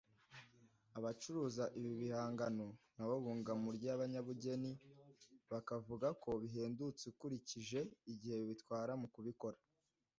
Abacuruza ibi bihangano na bo bunga mu ry’abanyabugeni bakavuga ko bihendutse ukurikije igihe bitwara mu kubikora